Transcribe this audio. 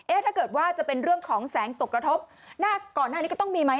ถ้าเกิดว่าจะเป็นเรื่องของแสงตกกระทบหน้าก่อนหน้านี้ก็ต้องมีไหม